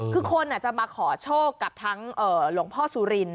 คือคนจะมาขอโชคกับทั้งหลวงพ่อสุริน